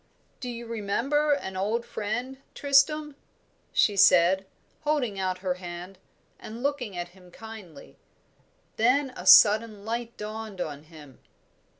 "Do you remember an old friend, Tristram?" she said, holding out her hand, and looking at him kindly. Then a sudden light dawned on him.